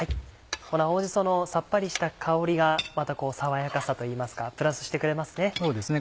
この青じそのさっぱりした香りがまた爽やかさといいますかプラスしてくれますね。